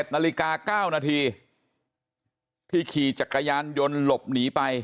๑นาฬิกา๙นาทีที่ขี่จักรยานยนต์หลบหนีไป